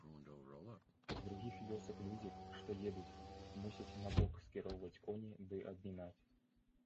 З другіх вёсак людзі, што едуць, мусяць набок скіроўваць коні ды абмінаць.